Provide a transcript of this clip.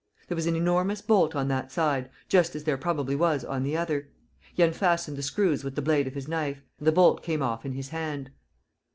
There was an enormous bolt on that side, just as there probably was on the other. He unfastened the screws with the blade of his knife; and the bolt came off in his hand.